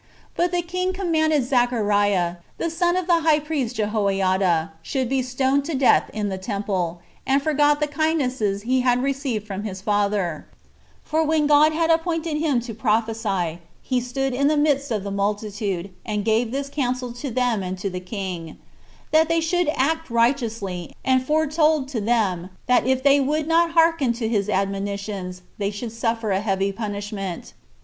But the king commanded that Zechariah, the son of the high priest Jehoiada, should be stoned to death in the temple, and forgot the kindnesses he had received from his father; for when God had appointed him to prophesy, he stood in the midst of the multitude, and gave this counsel to them and to the king: That they should act righteously; and foretold to them, that if they would not hearken to his admonitions, they should suffer a heavy punishment.